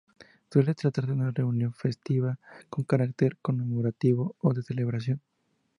Suele tratarse de una reunión festiva con carácter conmemorativo o de celebración.